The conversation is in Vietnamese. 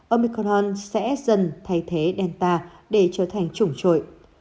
omicorn sẽ dần thay thế delta để trở thành chủng trội